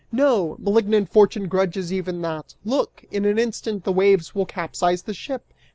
No! Malignant fortune grudges even that. Look! In an instant the waves will capsize the ship!